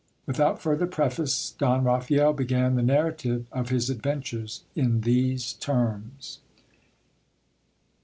Without further preface, Don Raphael began the narrative of his adventures in these terms.